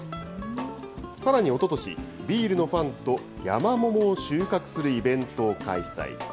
さらにおととし、ビールのファンと、ヤマモモを収穫するイベントを開催。